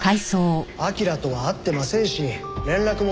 彬とは会ってませんし連絡も取ってません。